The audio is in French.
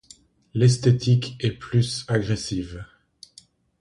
L'esthétique est plus agressive.